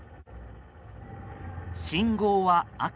信号は赤。